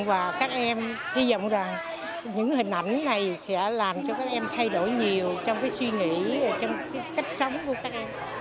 và các em hy vọng rằng những hình ảnh này sẽ làm cho các em thay đổi nhiều trong cái suy nghĩ trong cái cách sống của các em